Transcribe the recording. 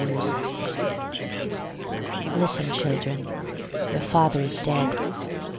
LAMENT Listen, children: Your father is dead.